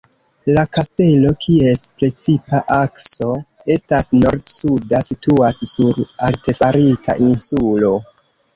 La kastelo, kies precipa akso estas nord-suda, situas sur artefarita insulo.